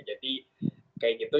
jadi kayak gitu